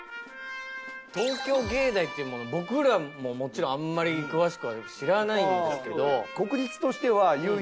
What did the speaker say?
東京藝大っていうもの僕らももちろんあんまり詳しくは知らないんですけど。